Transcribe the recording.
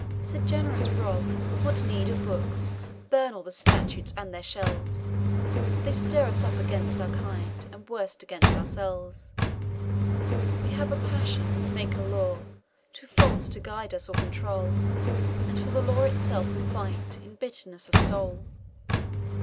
Said generous Rob, "What need of Books? Burn all the statutes and their shelves! They stir us up against our kind, And worse, against ourselves. "We have a passion, make a law, Too false to guide us or control; And for the law itself we fight In bitterness of soul.